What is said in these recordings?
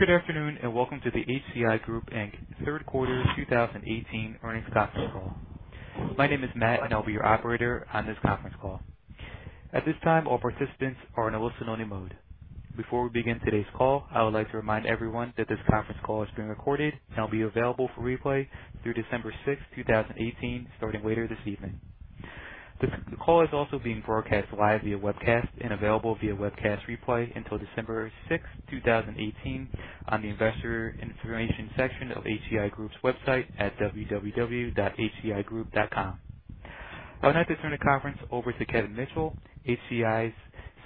Good afternoon. Welcome to the HCI Group Inc. third quarter 2018 earnings conference call. My name is Matt, and I'll be your operator on this conference call. At this time, all participants are in a listen-only mode. Before we begin today's call, I would like to remind everyone that this conference call is being recorded and will be available for replay through December 6, 2018, starting later this evening. The call is also being broadcast live via webcast and available via webcast replay until December 6, 2018 on the investor information section of HCI Group's website at hcigroup.com. I'll now turn the conference over to Kevin Mitchell, HCI's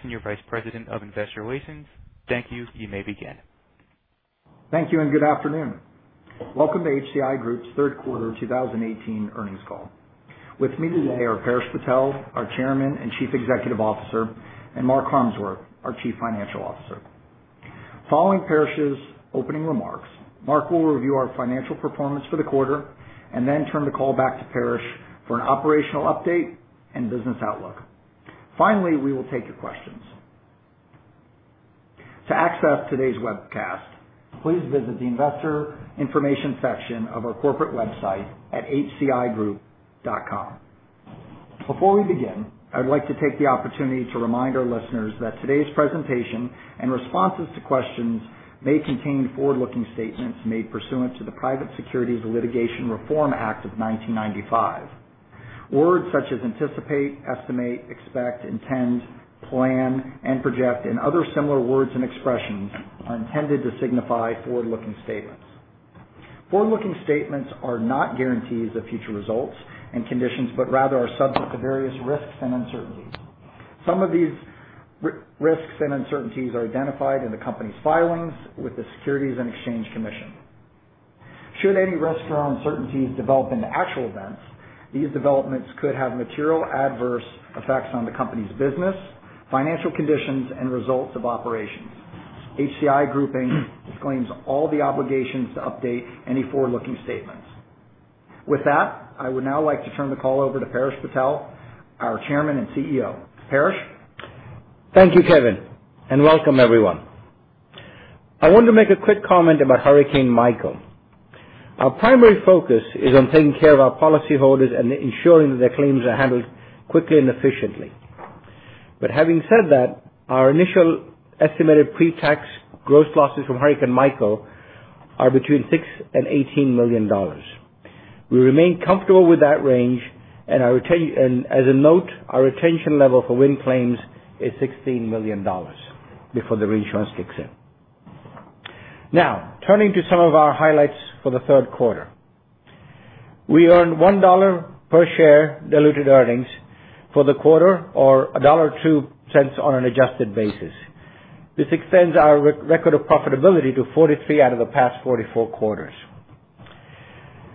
Senior Vice President of Investor Relations. Thank you. You may begin. Thank you. Good afternoon. Welcome to HCI Group's third quarter 2018 earnings call. With me today are Parish Patel, our Chairman and Chief Executive Officer, and Mark Harmsworth, our Chief Financial Officer. Following Parish's opening remarks, Mark will review our financial performance for the quarter and then turn the call back to Parish for an operational update and business outlook. We will take your questions. To access today's webcast, please visit the investor information section of our corporate website at hcigroup.com. Before we begin, I'd like to take the opportunity to remind our listeners that today's presentation and responses to questions may contain forward-looking statements made pursuant to the Private Securities Litigation Reform Act of 1995. Words such as anticipate, estimate, expect, intend, plan, and project, and other similar words and expressions are intended to signify forward-looking statements. Forward-looking statements are not guarantees of future results and conditions, but rather are subject to various risks and uncertainties. Some of these risks and uncertainties are identified in the company's filings with the Securities and Exchange Commission. Should any risks or uncertainties develop into actual events, these developments could have material adverse effects on the company's business, financial conditions, and results of operations. HCI Group Inc. disclaims all the obligations to update any forward-looking statements. With that, I would now like to turn the call over to Parish Patel, our Chairman and CEO. Parish? Thank you, Kevin. Welcome everyone. I want to make a quick comment about Hurricane Michael. Our primary focus is on taking care of our policyholders and ensuring that their claims are handled quickly and efficiently. Having said that, our initial estimated pre-tax gross losses from Hurricane Michael are between $6 million and $18 million. We remain comfortable with that range, and as a note, our retention level for wind claims is $16 million before the reinsurance kicks in. Turning to some of our highlights for the third quarter. We earned $1 per share diluted earnings for the quarter or $1.2 on an adjusted basis. This extends our record of profitability to 43 out of the past 44 quarters.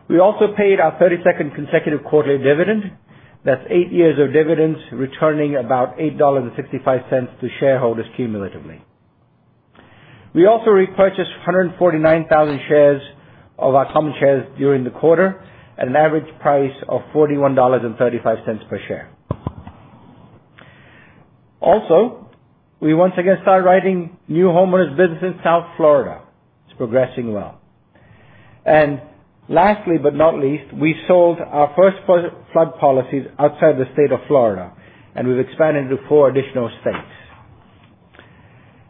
We also paid our 32nd consecutive quarterly dividend. That's eight years of dividends, returning about $8.65 to shareholders cumulatively. We also repurchased 149,000 shares of our common shares during the quarter at an average price of $41.35 per share. We once again started writing new homeowners business in South Florida. It's progressing well. Lastly, but not least, we sold our first flood policies outside the state of Florida, and we've expanded to four additional states.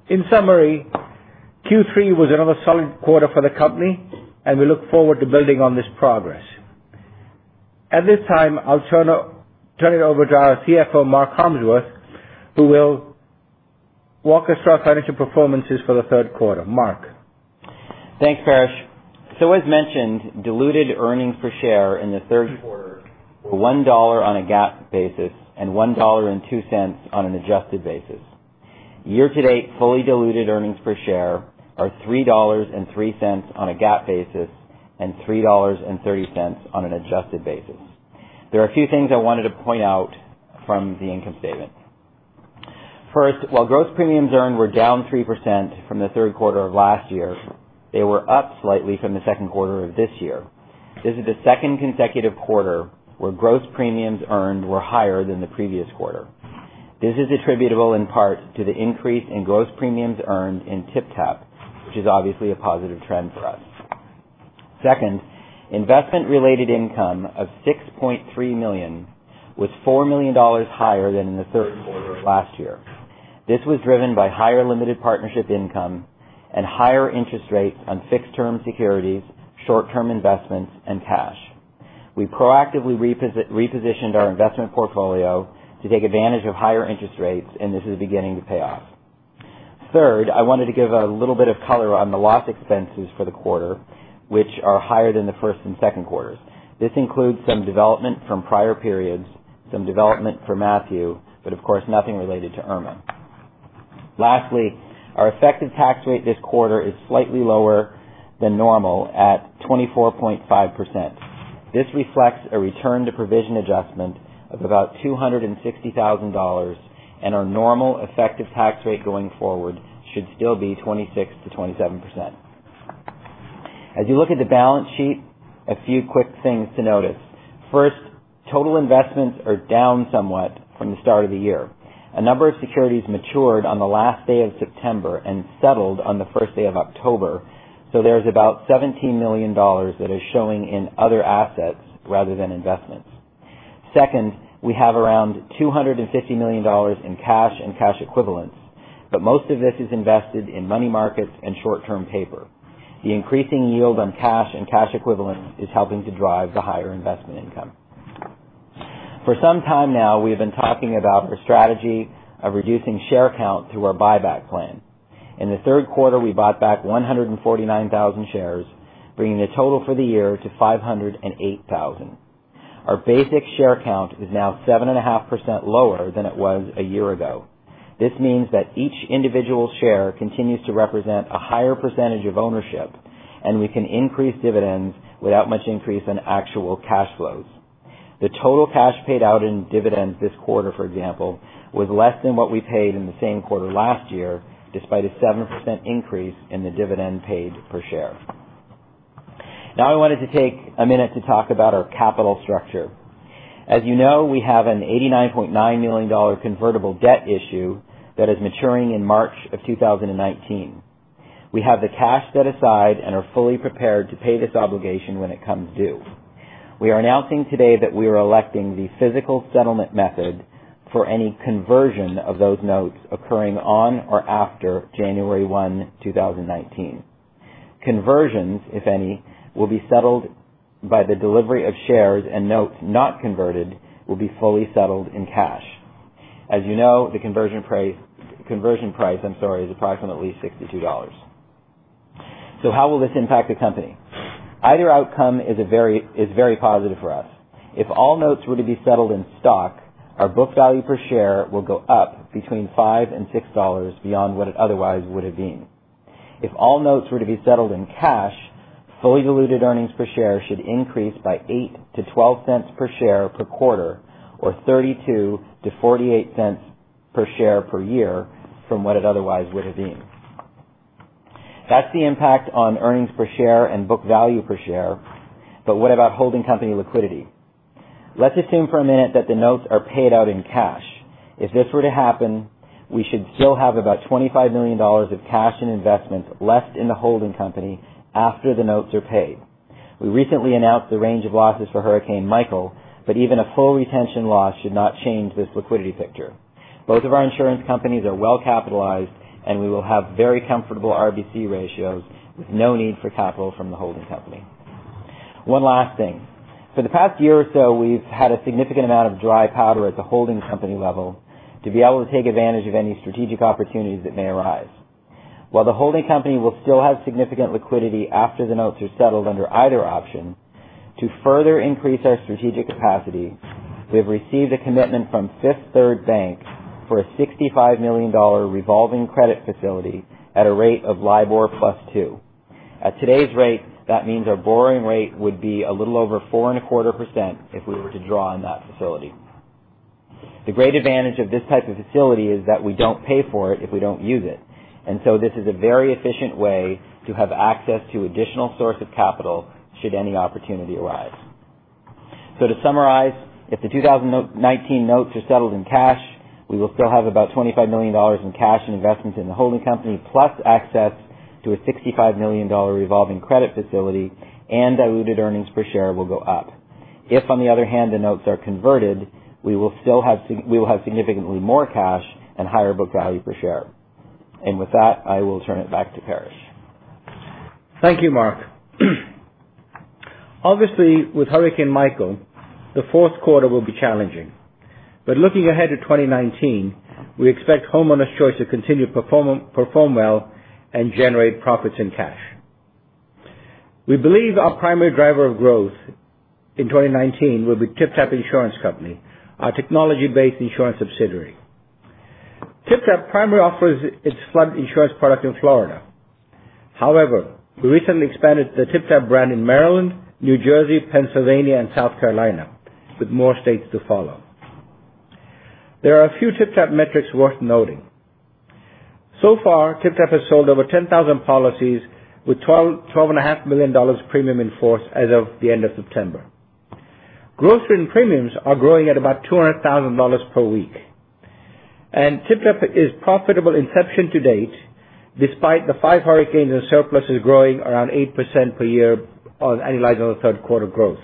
In summary, Q3 was another solid quarter for the company, and we look forward to building on this progress. At this time, I'll turn it over to our CFO, Mark Harmsworth, who will walk us through our financial performances for the third quarter. Mark? Thanks, Paresh. As mentioned, diluted earnings per share in the third quarter were $1 on a GAAP basis and $1.02 on an adjusted basis. Year-to-date, fully diluted earnings per share are $3.03 on a GAAP basis and $3.30 on an adjusted basis. There are a few things I wanted to point out from the income statement. First, while gross premiums earned were down 3% from the third quarter of last year, they were up slightly from the second quarter of this year. This is the second consecutive quarter where gross premiums earned were higher than the previous quarter. This is attributable in part to the increase in gross premiums earned in TypTap, which is obviously a positive trend for us. Second, investment-related income of $6.3 million was $4 million higher than in the third quarter of last year. This was driven by higher limited partnership income and higher interest rates on fixed-term securities, short-term investments, and cash. We proactively repositioned our investment portfolio to take advantage of higher interest rates, and this is beginning to pay off. Third, I wanted to give a little bit of color on the loss expenses for the quarter, which are higher than the first and second quarters. This includes some development from prior periods, some development for Hurricane Matthew, but of course, nothing related to Hurricane Irma. Lastly, our effective tax rate this quarter is slightly lower than normal at 24.5%. This reflects a return to provision adjustment of about $260,000, our normal effective tax rate going forward should still be 26%-27%. As you look at the balance sheet, a few quick things to notice. First, total investments are down somewhat from the start of the year. A number of securities matured on the last day of September and settled on the first day of October, there's about $17 million that is showing in other assets rather than investments. Second, we have around $250 million in cash and cash equivalents, but most of this is invested in money markets and short-term paper. The increasing yield on cash and cash equivalents is helping to drive the higher investment income. For some time now, we have been talking about our strategy of reducing share count through our buyback plan. In the third quarter, we bought back 149,000 shares, bringing the total for the year to 508,000. Our basic share count is now 7.5% lower than it was a year ago. This means that each individual share continues to represent a higher percentage of ownership, and we can increase dividends without much increase in actual cash flows. The total cash paid out in dividends this quarter, for example, was less than what we paid in the same quarter last year, despite a 7% increase in the dividend paid per share. I wanted to take a minute to talk about our capital structure. As you know, we have an $89.9 million convertible debt issue that is maturing in March of 2019. We have the cash set aside and are fully prepared to pay this obligation when it comes due. We are announcing today that we are electing the physical settlement method for any conversion of those notes occurring on or after January 1, 2019. Conversions, if any, will be settled by the delivery of shares, and notes not converted will be fully settled in cash. As you know, the conversion price is approximately $62. How will this impact the company? Either outcome is very positive for us. If all notes were to be settled in stock, our book value per share will go up between $5 and $6 beyond what it otherwise would have been. If all notes were to be settled in cash, fully diluted earnings per share should increase by $0.08 to $0.12 per share per quarter, or $0.32 to $0.48 per share per year from what it otherwise would have been. That's the impact on earnings per share and book value per share, what about holding company liquidity? Let's assume for a minute that the notes are paid out in cash. If this were to happen, we should still have about $25 million of cash and investments left in the holding company after the notes are paid. We recently announced the range of losses for Hurricane Michael, even a full retention loss should not change this liquidity picture. Both of our insurance companies are well-capitalized, and we will have very comfortable RBC ratios with no need for capital from the holding company. One last thing. For the past year or so, we've had a significant amount of dry powder at the holding company level to be able to take advantage of any strategic opportunities that may arise. While the holding company will still have significant liquidity after the notes are settled under either option, to further increase our strategic capacity, we've received a commitment from Fifth Third Bank for a $65 million revolving credit facility at a rate of LIBOR plus two. At today's rate, that means our borrowing rate would be a little over 4.25% if we were to draw on that facility. The great advantage of this type of facility is that we don't pay for it if we don't use it. This is a very efficient way to have access to additional source of capital should any opportunity arise. To summarize, if the 2019 notes are settled in cash, we will still have about $25 million in cash and investments in the holding company, plus access to a $65 million revolving credit facility, and diluted earnings per share will go up. If, on the other hand, the notes are converted, we will have significantly more cash and higher book value per share. With that, I will turn it back to Paresh. Thank you, Mark. Obviously, with Hurricane Michael, the fourth quarter will be challenging. Looking ahead to 2019, we expect Homeowners Choice to continue to perform well and generate profits and cash. We believe our primary driver of growth in 2019 will be TypTap Insurance Company, our technology-based insurance subsidiary. TypTap primarily offers its flood insurance product in Florida. However, we recently expanded the TypTap brand in Maryland, New Jersey, Pennsylvania, and South Carolina, with more states to follow. There are a few TypTap metrics worth noting. So far, TypTap has sold over 10,000 policies with $12.5 million premium in force as of the end of September. Gross written premiums are growing at about $200,000 per week. TypTap is profitable inception to date, despite the five hurricanes, and surplus is growing around 8% per year on annualized third-quarter growth.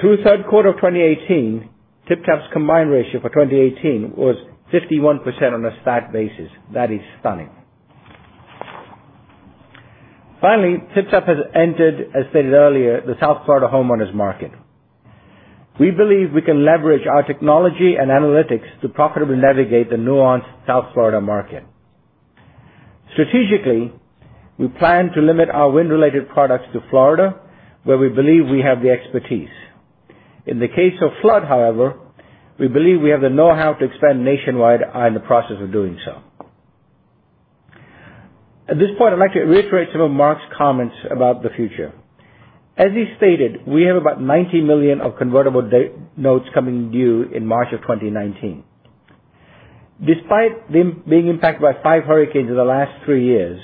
Through the third quarter of 2018, TypTap's combined ratio for 2018 was 51% on a stat basis. That is stunning. Finally, TypTap has entered, as stated earlier, the South Florida homeowners market. We believe we can leverage our technology and analytics to profitably navigate the nuanced South Florida market. Strategically, we plan to limit our wind-related products to Florida, where we believe we have the expertise. In the case of flood, however, we believe we have the know-how to expand nationwide and are in the process of doing so. At this point, I'd like to reiterate some of Mark's comments about the future. As he stated, we have about $90 million of convertible notes coming due in March of 2019. Despite being impacted by five hurricanes in the last three years,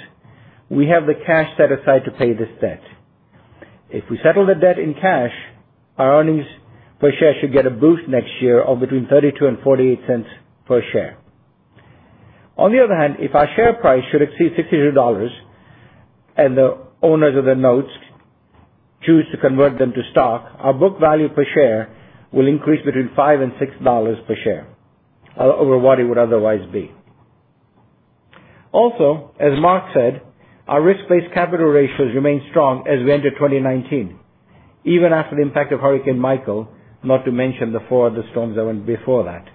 we have the cash set aside to pay this debt. If we settle the debt in cash, our earnings per share should get a boost next year of between $0.32 and $0.48 per share. On the other hand, if our share price should exceed $62 and the owners of the notes choose to convert them to stock, our book value per share will increase between $5 and $6 per share over what it would otherwise be. As Mark said, our risk-based capital ratios remain strong as we enter 2019. Even after the impact of Hurricane Michael, not to mention the four other storms that went before that.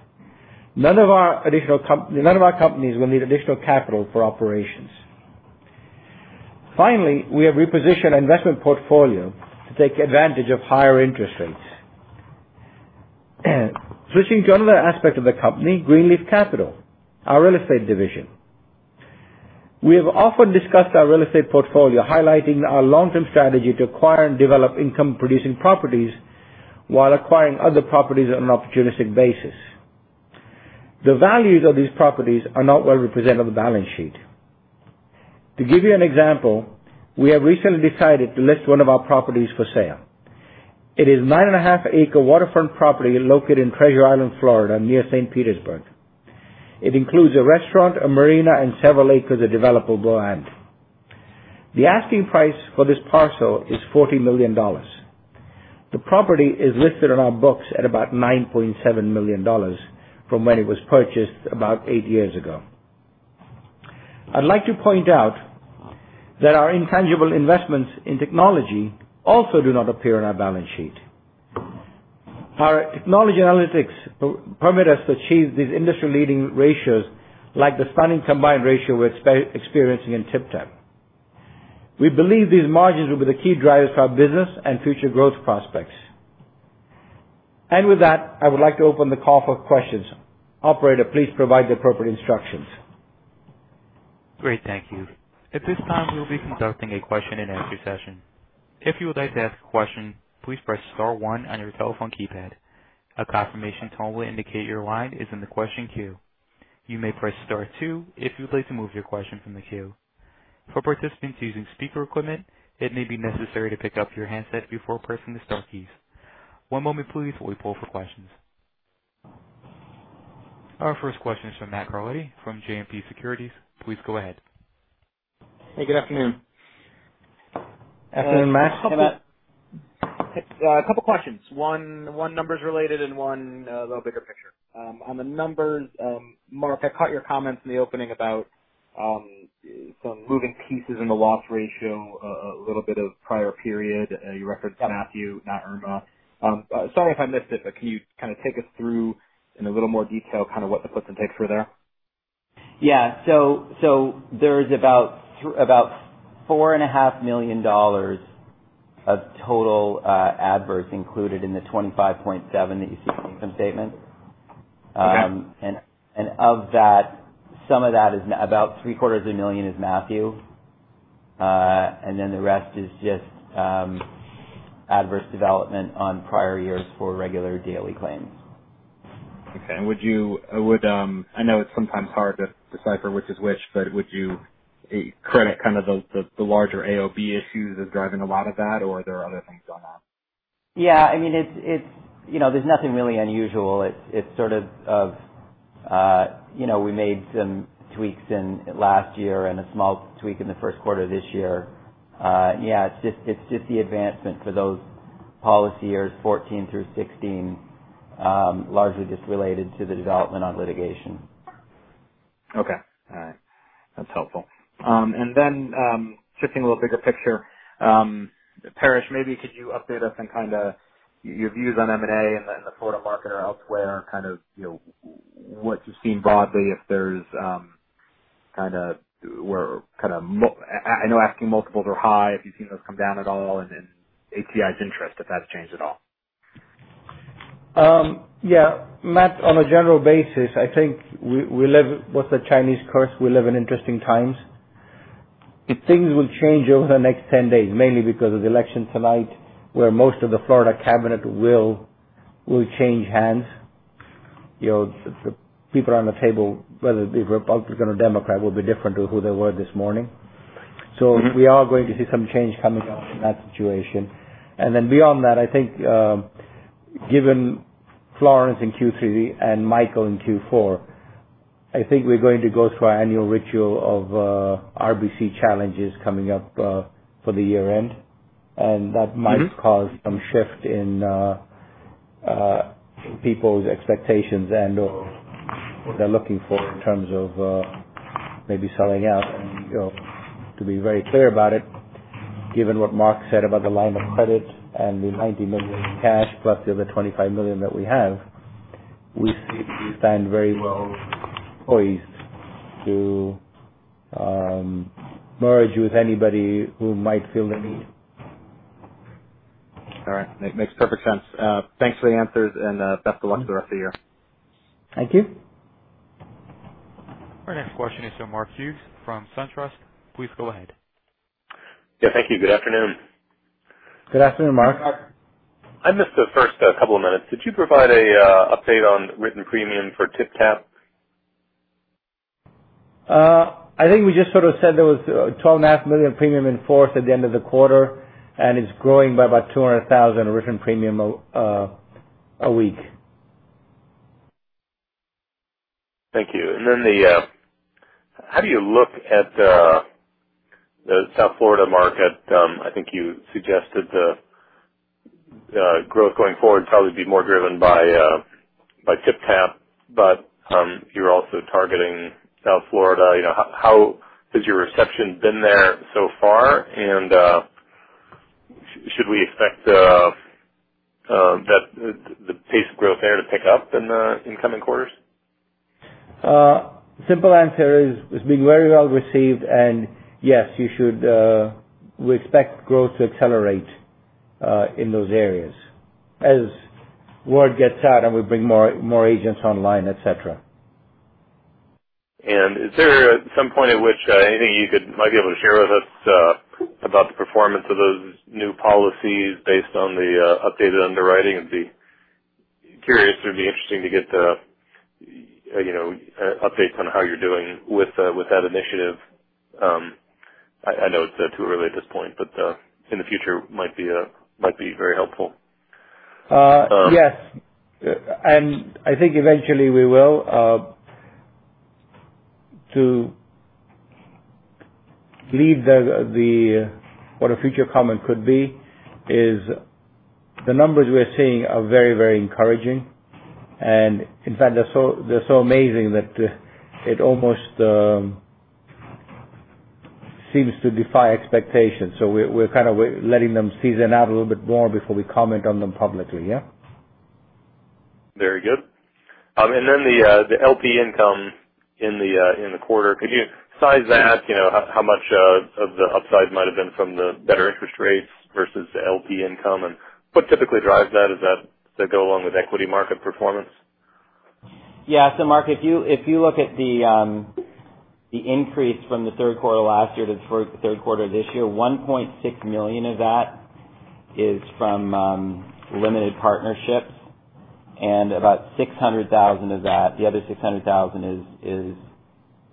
None of our companies will need additional capital for operations. Finally, we have repositioned our investment portfolio to take advantage of higher interest rates. Switching to another aspect of the company, Greenleaf Capital, our real estate division. We have often discussed our real estate portfolio, highlighting our long-term strategy to acquire and develop income-producing properties while acquiring other properties on an opportunistic basis. The values of these properties are not well represented on the balance sheet. To give you an example, we have recently decided to list one of our properties for sale. It is a nine-and-a-half acre waterfront property located in Treasure Island, Florida, near St. Petersburg. It includes a restaurant, a marina, and several acres of developable land. The asking price for this parcel is $40 million. The property is listed on our books at about $9.7 million from when it was purchased about eight years ago. I'd like to point out that our intangible investments in technology also do not appear on our balance sheet. Our technology analytics permit us to achieve these industry-leading ratios, like the stunning combined ratio we're experiencing in TypTap. We believe these margins will be the key drivers for our business and future growth prospects. With that, I would like to open the call for questions. Operator, please provide the appropriate instructions. Great. Thank you. At this time, we will be conducting a question and answer session. If you would like to ask a question, please press star one on your telephone keypad. A confirmation tone will indicate your line is in the question queue. You may press star two if you would like to move your question from the queue. For participants using speaker equipment, it may be necessary to pick up your handset before pressing the star keys. One moment please while we pull for questions. Our first question is from Matt Carletti from JMP Securities. Please go ahead. Hey, good afternoon. Afternoon, Matt. Hey, Matt. A couple questions. One numbers related and one a little bigger picture. On the numbers, Mark, I caught your comments in the opening about some moving pieces in the loss ratio, a little bit of prior period. You referenced Matthew, not Irma. Sorry if I missed it, but can you take us through in a little more detail what the puts and takes were there? Yeah. There's about $4.5 million of total adverse included in the $25.7 that you see in the income statement. Okay. Of that, some of that is about three-quarters of a million is Matthew, the rest is just adverse development on prior years for regular daily claims. Okay. I know it's sometimes hard to decipher which is which, but would you credit the larger AOB issues as driving a lot of that, or are there other things going on? There's nothing really unusual. We made some tweaks last year and a small tweak in the first quarter of this year. It's just the advancement for those policy years 2014 through 2016, largely just related to the development on litigation. That's helpful. Shifting a little bigger picture. Paresh, maybe could you update us on your views on M&A and then the Florida market or elsewhere, what you're seeing broadly, I know asking multiples are high, if you've seen those come down at all and then HCI's interest, if that's changed at all. Matt, on a general basis, I think we live, what's the Chinese curse? We live in interesting times. Things will change over the next 10 days, mainly because of the election tonight, where most of the Florida cabinet will change hands. The people on the table, whether it be Republican or Democrat, will be different to who they were this morning. We are going to see some change coming up in that situation. Beyond that, I think given Florence in Q3 and Michael in Q4, I think we're going to go through our annual ritual of RBC challenges coming up for the year-end. That might cause some shift in people's expectations and/or what they're looking for in terms of maybe selling out. To be very clear about it, given what Mark said about the line of credit and the $90 million in cash, plus the other $25 million that we have, we stand very well poised to merge with anybody who might feel the need. All right. Makes perfect sense. Thanks for the answers and best of luck for the rest of the year. Thank you. Our next question is from Mark Hughes from SunTrust. Please go ahead. Yeah, thank you. Good afternoon. Good afternoon, Mark. I missed the first couple of minutes. Did you provide an update on written premium for TypTap? I think we just said there was $12.5 million premium in force at the end of the quarter, and it's growing by about $200,000 in written premium a week. Thank you. Then how do you look at the South Florida market? I think you suggested the growth going forward probably be more driven by TypTap, but you're also targeting South Florida. How has your reception been there so far? Should we expect the pace of growth there to pick up in the incoming quarters? Simple answer is, it's been very well received, and yes, we expect growth to accelerate in those areas as word gets out and we bring more agents online, et cetera. Is there some point at which anything you might be able to share with us about the performance of those new policies based on the updated underwriting? It'd be curious or it'd be interesting to get updates on how you're doing with that initiative. I know it's too early at this point, but in the future might be very helpful. Yes. I think eventually we will. To leave what a future comment could be is the numbers we're seeing are very encouraging. In fact, they're so amazing that it almost seems to defy expectations. We're kind of letting them season out a little bit more before we comment on them publicly, yeah? Very good. The LP income in the quarter, could you size that? How much of the upside might have been from the better interest rates versus the LP income, and what typically drives that? Does that go along with equity market performance? Yeah. Mark, if you look at the increase from the third quarter of last year to the third quarter of this year, $1.6 million of that is from limited partnerships about $600,000 of that, the other $600,000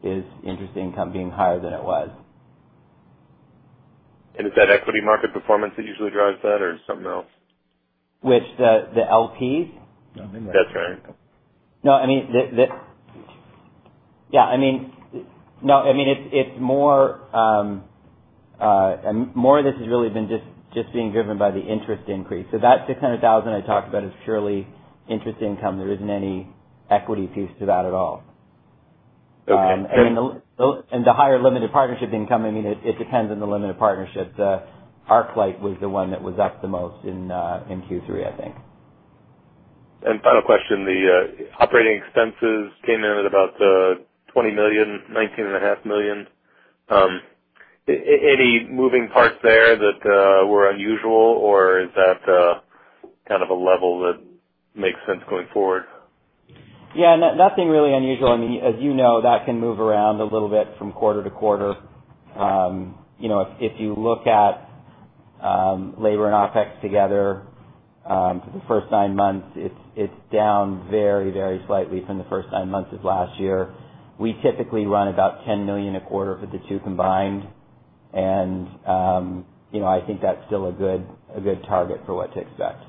is interest income being higher than it was. Is that equity market performance that usually drives that or something else? Which, the LPs? That's right. More of this has really been just being driven by the interest increase. That $600,000 I talked about is purely interest income. There isn't any equity piece to that at all. Okay. The higher limited partnership income, it depends on the limited partnership. Arclight was the one that was up the most in Q3, I think. Final question, the operating expenses came in at about $20 million, $19.5 million. Any moving parts there that were unusual, or is that kind of a level that makes sense going forward? Nothing really unusual. As you know, that can move around a little bit from quarter to quarter. If you look at labor and OPEX together for the first nine months, it's down very slightly from the first nine months of last year. We typically run about $10 million a quarter for the two combined, I think that's still a good target for what to expect.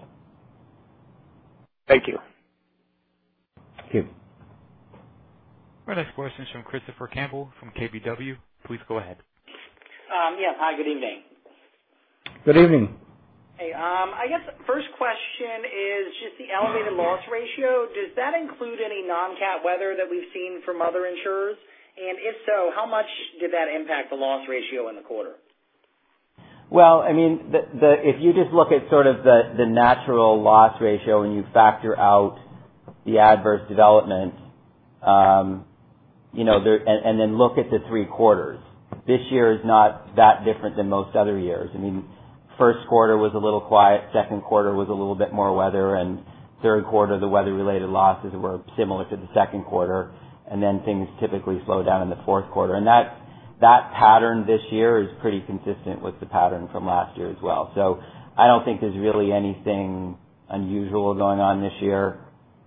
Thank you. Thank you. Our next question is from Christopher Campbell from KBW. Please go ahead. Yeah. Hi, good evening. Good evening. Hey. I guess first question is just the elevated loss ratio. Does that include any non-cat weather that we've seen from other insurers? If so, how much did that impact the loss ratio in the quarter? Well, if you just look at sort of the natural loss ratio and you factor out the adverse developments, then look at the three quarters. This year is not that different than most other years. First quarter was a little quiet, second quarter was a little bit more weather, Third quarter, the weather-related losses were similar to the second quarter, then things typically slow down in the fourth quarter. That pattern this year is pretty consistent with the pattern from last year as well. I don't think there's really anything unusual going on this year.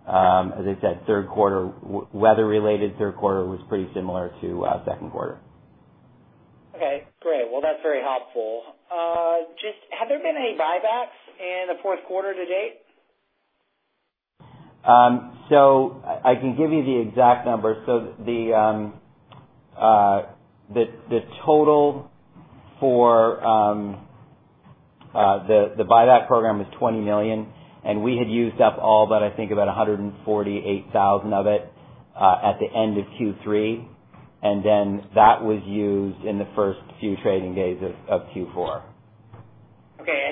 As I said, weather-related third quarter was pretty similar to second quarter. Okay, great. Well, that's very helpful. Just have there been any buybacks in the fourth quarter to date? I can give you the exact numbers. The total for the buyback program is $20 million, and we had used up all but I think about 148,000 of it at the end of Q3. That was used in the first few trading days of Q4.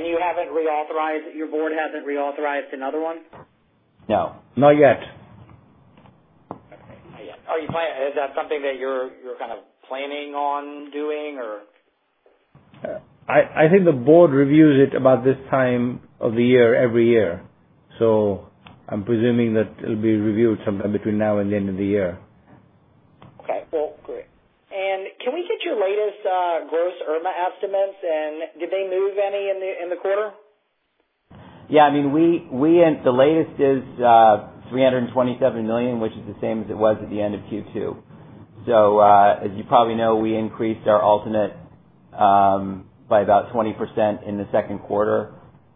You haven't reauthorized, your board hasn't reauthorized another one? No. Not yet. Are you planning, is that something that you're kind of planning on doing, or? I think the board reviews it about this time of the year every year, so I'm presuming that it'll be reviewed sometime between now and the end of the year. Okay. Well, great. Can we get your latest gross Hurricane Irma estimates, and did they move any in the quarter? Yeah. The latest is $327 million, which is the same as it was at the end of Q2. As you probably know, we increased our alternate by about 20% in the second quarter,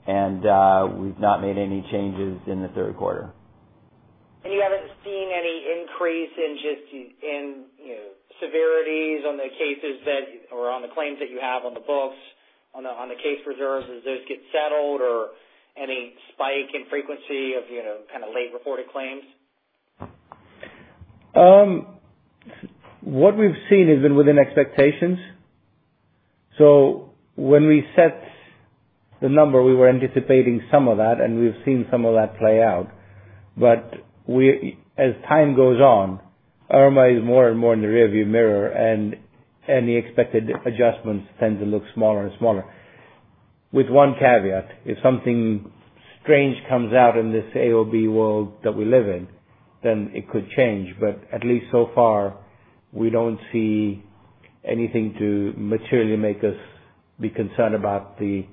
and we've not made any changes in the third quarter. You haven't seen any increase in severities on the cases or on the claims that you have on the books, on the case reserves as those get settled, or any spike in frequency of late reported claims? What we've seen has been within expectations. When we set the number, we were anticipating some of that, and we've seen some of that play out. As time goes on, Hurricane Irma is more and more in the rear view mirror, and the expected adjustments tend to look smaller and smaller. With one caveat, if something strange comes out in this AOB world that we live in, then it could change. At least so far, we don't see anything to materially make us be concerned about the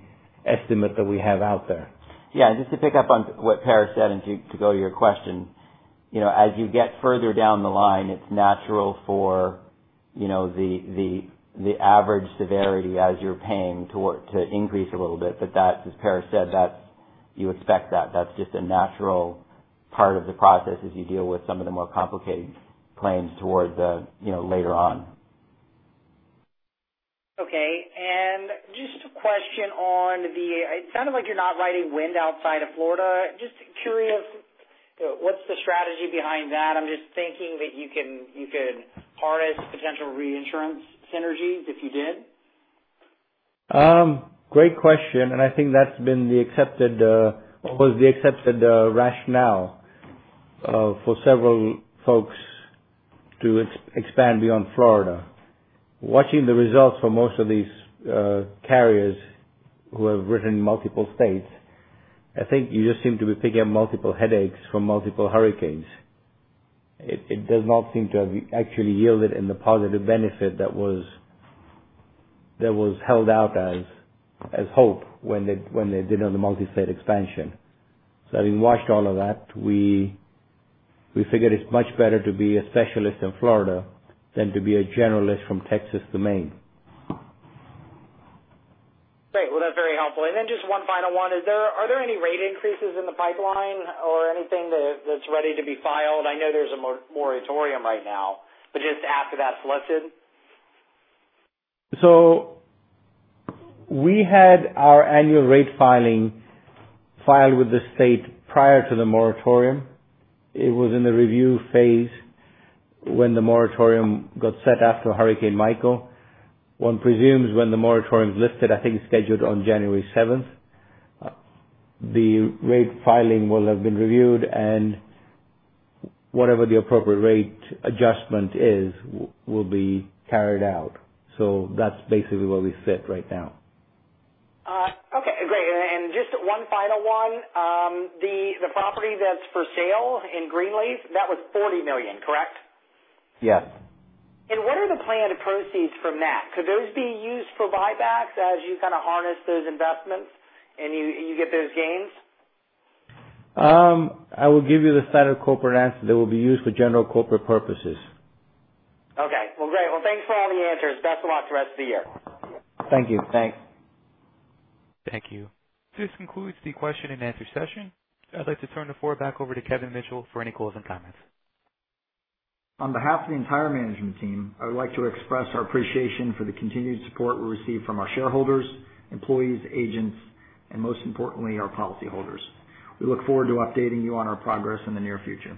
estimate that we have out there. Just to pick up on what Par said and to go to your question, as you get further down the line, it's natural for the average severity as you're paying to increase a little bit. That, as Par said, you expect that. That's just a natural part of the process as you deal with some of the more complicated claims towards later on. Just a question on the-- It sounded like you're not writing wind outside of Florida. Just curious, what's the strategy behind that? I'm just thinking that you could harness potential reinsurance synergies if you did. Great question, I think that's been the accepted rationale for several folks to expand beyond Florida. Watching the results for most of these carriers who have written in multiple states, I think you just seem to be picking up multiple headaches from multiple hurricanes. It does not seem to have actually yielded any positive benefit that was held out as hope when they did on the multi-state expansion. Having watched all of that, we figured it's much better to be a specialist in Florida than to be a generalist from Texas to Maine. Great. Well, that's very helpful. Just one final one. Are there any rate increases in the pipeline or anything that's ready to be filed? I know there's a moratorium right now, but just after that's lifted. We had our annual rate filing filed with the state prior to the moratorium. It was in the review phase when the moratorium got set after Hurricane Michael. One presumes when the moratorium's lifted, I think scheduled on January 7th, the rate filing will have been reviewed, and whatever the appropriate rate adjustment is will be carried out. That's basically where we sit right now. Okay, great. Just one final one. The property that's for sale in Greenleaf, that was $40 million, correct? Yes. What are the planned proceeds from that? Could those be used for buybacks as you kind of harness those investments and you get those gains? I will give you the standard corporate answer. They will be used for general corporate purposes. Okay. Well, great. Well, thanks for all the answers. Best of luck the rest of the year. Thank you. Thanks. Thank you. This concludes the question and answer session. I'd like to turn the floor back over to Kevin Mitchell for any closing comments. On behalf of the entire management team, I would like to express our appreciation for the continued support we receive from our shareholders, employees, agents, and most importantly, our policyholders. We look forward to updating you on our progress in the near future.